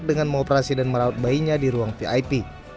dengan mengoperasi dan merawat bayinya di ruang vip